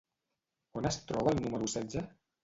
On es troba la número setze?